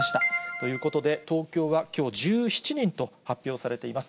ということで、東京はきょう、１７人と発表されています。